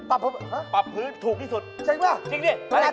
เฮ่อนะปรับพื้นถูกที่สุดจริงกว่านะจริงนี่